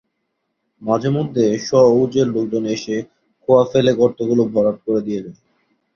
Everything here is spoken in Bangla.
মাঝেমধ্যে সওজের লোকজন এসে খোয়া ফেলে গর্তগুলো ভরাট করে দিয়ে যায়।